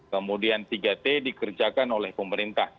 kemudian tiga t dikerjakan oleh pemerintah